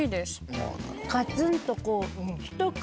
ガツンとこう。